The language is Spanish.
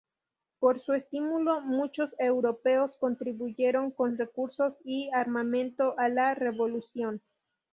Por su estímulo muchos europeos contribuyeron con recursos y armamento a la revolución.